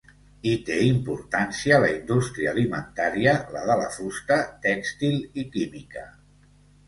Hi té importància la indústria alimentària, la de la fusta, tèxtil i química.